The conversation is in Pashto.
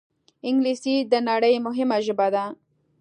انګلیسي د نړۍ مهمه ژبه ده